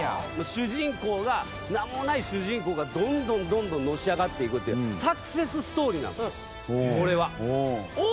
主人公が名もない主人公がどんどんどんどんのし上がっていくというサクセスストーリーなんですこれは。